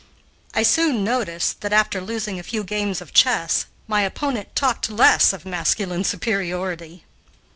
I soon noticed that, after losing a few games of chess, my opponent talked less of masculine superiority.